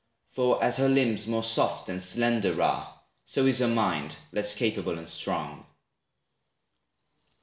For as her limbs more soft and slender are, So is her mind less capable and strong.